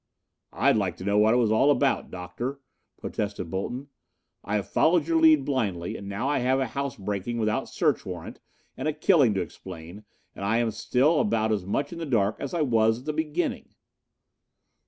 "I'd like to know what it was all about, Doctor," protested Bolton. "I have followed your lead blindly, and now I have a housebreaking without search warrant and a killing to explain, and still I am about as much in the dark as I was at the beginning."